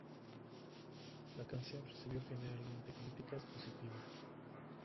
La canción recibió generalmente críticas positivas.